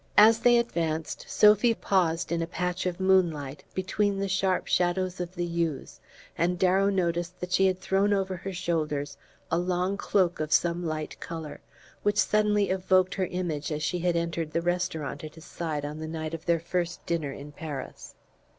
As they advanced, Sophy paused in a patch of moonlight, between the sharp shadows of the yews, and Darrow noticed that she had thrown over her shoulders a long cloak of some light colour, which suddenly evoked her image as she had entered the restaurant at his side on the night of their first dinner in Paris.